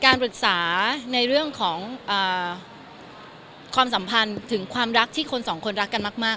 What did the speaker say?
ปรึกษาในเรื่องของความสัมพันธ์ถึงความรักที่คนสองคนรักกันมาก